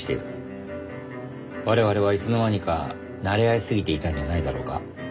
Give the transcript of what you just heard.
われわれはいつの間にかなれ合いすぎていたんじゃないだろうか。